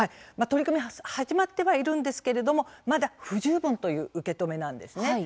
取り組み始まってはいるんですけれどもまだ不十分という受け止めなんです。